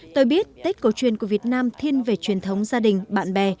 tôi biết tết cổ truyền của việt nam thiên về truyền thống gia đình bạn bè